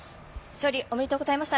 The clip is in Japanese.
勝利、おめでとうございました。